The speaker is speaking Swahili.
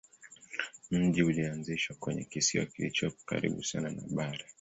Mji ulianzishwa kwenye kisiwa kilichopo karibu sana na bara.